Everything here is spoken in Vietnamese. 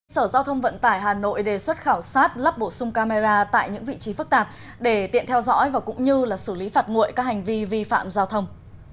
sở giao thông vận tải hà nội đề xuất khảo sát lắp bổ sung camera tại những vị trí phức tạp để tiện theo dõi và cũng như xử lý phạt nguội các hành vi vi phạm giao thông